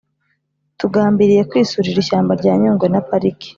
tugambiriye kwisurira ishyamba rya Nyungwe na Pariki